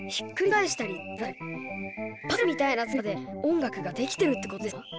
パズルみたいな作り方で音楽ができてるってことですか？